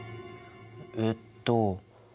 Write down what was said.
えっと。